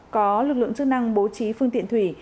có lực lượng chức năng bố trí phương tiện thủy